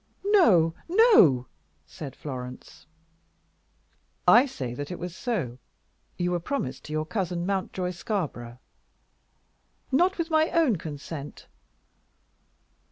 "No, no!" said Florence. "I say that it was so. You were promised to your cousin, Mountjoy Scarborough." "Not with my own consent."